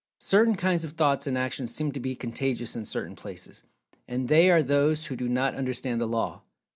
Certain kinds of Thoughts and Actions seem to be contagious in certain places—and they are to those who do not understand the Law.